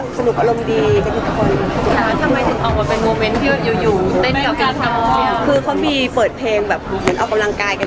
ใช่ที่เขาชอบถ่ายรูปแล้วก็ไปเย็น